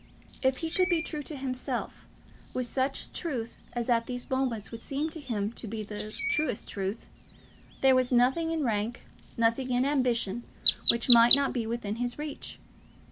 If he could be true to himself, with such truth as at these moments would seem to him to be the truest truth, there was nothing in rank, nothing in ambition, which might not be within his reach.